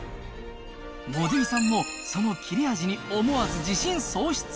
茂出木さんも、その切れ味に思わず自信喪失？